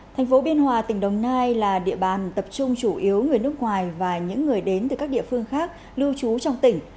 thành phố biên hòa tỉnh đồng nai là địa bàn tập trung chủ yếu người nước ngoài và những người đến từ các địa phương khác lưu trú trong tỉnh